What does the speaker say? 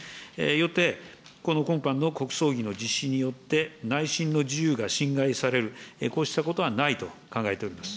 よって、この今般の国葬儀の実施によって、内心の自由が侵害される、こうしたことはないと考えております。